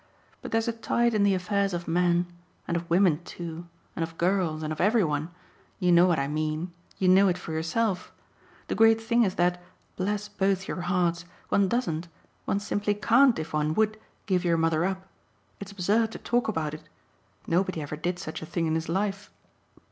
"But there's a tide in the affairs of men and of women too, and of girls and of every one. You know what I mean you know it for yourself. The great thing is that bless both your hearts! one doesn't, one simply CAN'T if one would, give your mother up. It's absurd to talk about it. Nobody ever did such a thing in his life.